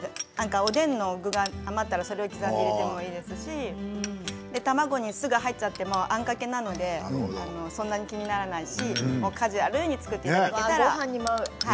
おでんの具が余ったら、それを刻んで入れてもいいですし卵に、すが入ってもあんかけなのでそんなに気にならないですしカジュアルに作っていただけたら。